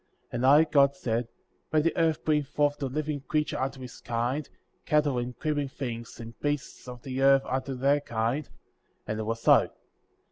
24. And I, God, said: Let the earth bring forth the living creature after his kind, cattle, and creeping things, and beasts of the earth after their kind, and it was so ; 25.